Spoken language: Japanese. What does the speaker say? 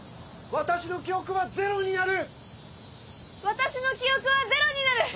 私の記憶はゼロになる！